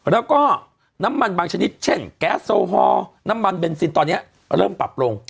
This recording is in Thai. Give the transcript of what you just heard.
แล้วก็น้ำมันบางชนิดเช่นแก๊สโซฮอลน้ำมันเบนซินตอนนี้เริ่มปรับลง